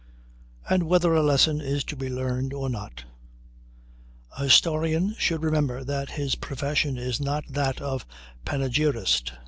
And whether a lesson is to be learned or not, a historian should remember that his profession is not that of a panegyrist.